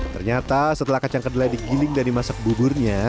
ternyata setelah kacang kedelai digiling dan dimasak buburnya